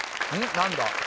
何だ？